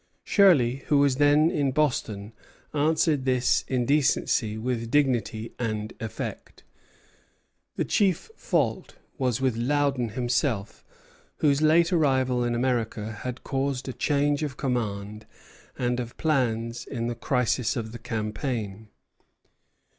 Shirley, who was then in Boston, answered this indecency with dignity and effect. The chief fault was with Loudon himself, whose late arrival in America had caused a change of command and of plans in the crisis of the campaign.